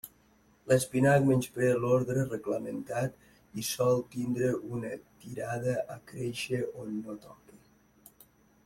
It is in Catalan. L'espinac menysprea l'ordre reglamentat i sol tindre una tirada a créixer on no toca.